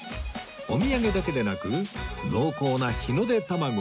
お土産だけでなく濃厚な日の出たまご